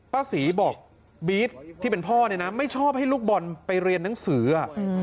ป้าศรีบอกบี๊ดที่เป็นพ่อเนี่ยนะไม่ชอบให้ลูกบอลไปเรียนหนังสือ